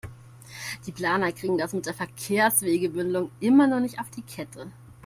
Die Planer kriegen das mit der Verkehrswegebündelung immer noch nicht auf die Kette.